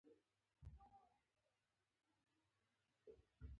اه! دومره زړه!